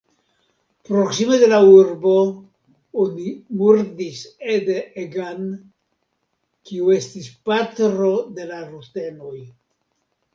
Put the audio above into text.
Proksime de la urbo oni murdis Ede Egan, kiu estis patro de la rutenoj.